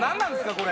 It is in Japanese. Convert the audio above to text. これ。